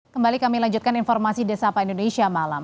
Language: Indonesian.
kembali kami lanjutkan informasi desa pak indonesia malam